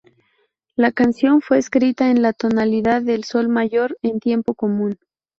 La canción fue escrita en la tonalidad de sol mayor, en tiempo común.